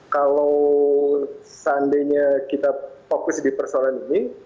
kalau seandainya kita fokus di persoalan ini